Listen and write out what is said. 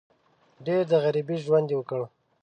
ډېر د غریبۍ ژوند وکړ.